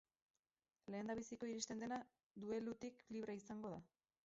Lehendabiziko iristen dena duelutik libre izango da.